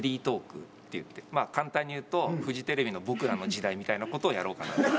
まあ簡単に言うとフジテレビの『ボクらの時代』みたいな事をやろうかなと。